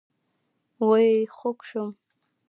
وئ خوږ شوم